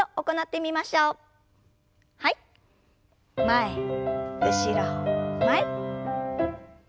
前後ろ前。